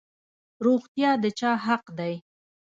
روغتیا د چا حق دی؟